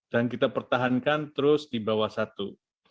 dan kita pertahankan terus di bawah satu